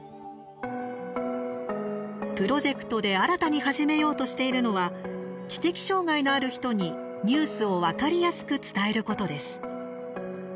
プロジェクトで新たに始めようとしているのは知的障害のある人にニュースを分かりやすく伝えることです。